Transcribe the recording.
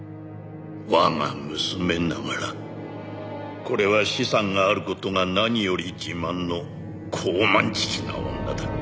「我が娘ながらこれは資産がある事が何より自慢の高慢ちきな女だ」